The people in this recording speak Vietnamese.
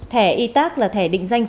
thẻ y tác là thẻ định danh phương án